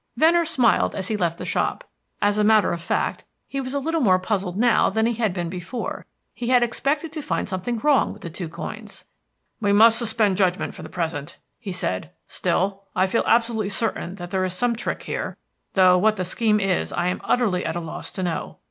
Venner smiled as he left the shop. As a matter of fact, he was a little more puzzled now than he had been before. He had expected to find something wrong with the two coins. "We must suspend judgment for the present," he said. "Still, I feel absolutely certain that there is some trick here, though what the scheme is I am utterly at a loss to know.